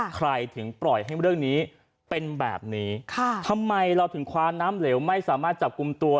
ใครถึงปล่อยให้เรื่องนี้เป็นแบบนี้ค่ะทำไมเราถึงคว้าน้ำเหลวไม่สามารถจับกลุ่มตัว